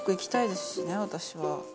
私は。